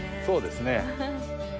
そうですね。